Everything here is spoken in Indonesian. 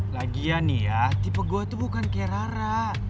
lagian nih ya tipe gue tuh bukan kayak rara